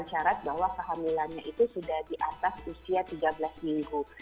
syarat bahwa kehamilannya itu sudah di atas usia tiga belas minggu